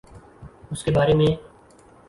اس کے بارے میں